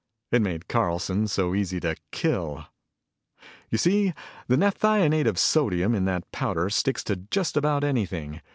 It made Carlson so easy to kill! "You see, the naphthionate of sodium in that powder sticks to just about anything.